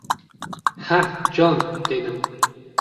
— Ha, jon! — dedim.